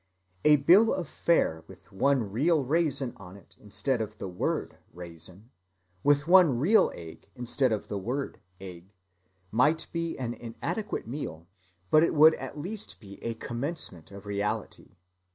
A bill of fare with one real raisin on it instead of the word "raisin," with one real egg instead of the word "egg," might be an inadequate meal, but it would at least be a commencement of reality.